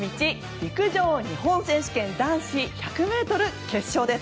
陸上日本選手権男子１００ｍ決勝です。